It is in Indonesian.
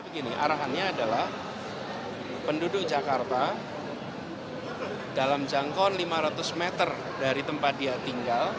begini arahannya adalah penduduk jakarta dalam jangkauan lima ratus meter dari tempat dia tinggal